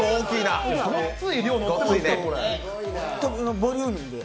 ボリューミーで。